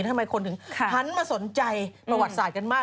ทำไมคนถึงหันมาสนใจประวัติศาสตร์กันมาก